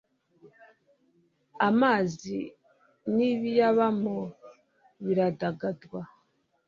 amazi n'ibiyabamo biradagadwa